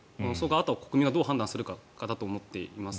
あとは国民がそれをどう判断するかだと思っています。